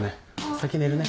先寝るね。